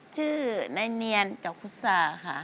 ชื่อนายเนียนจอกุษาค่ะ